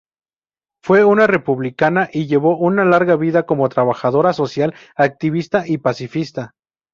Fue una republicana, y llevó una larga vida como trabajadora social, activista, y pacifista.